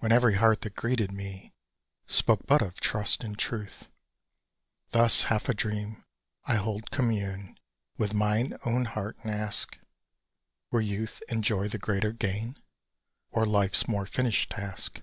When every heart that greeted me Spoke but of trust and truth! Thus half adream I hold commune With mine own heart, and ask Were youth and joy the greater gain, Or life's more finished task?